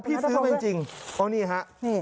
พี่ซื้อเป็นจริงเอานี่ฮะ